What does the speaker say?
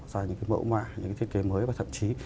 ra những cái mẫu mã những cái thiết kế mới và thậm chí